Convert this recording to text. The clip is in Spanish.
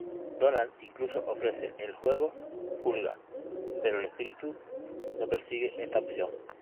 Donald incluso ofrece el juego Pulga, pero el Espíritu no persigue esta opción.